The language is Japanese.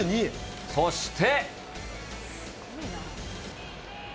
そして。